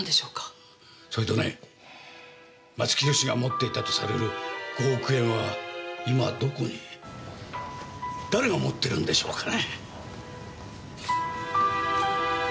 それとね松木弘が持っていたとされる５億円は今どこに誰が持ってるんでしょうかね。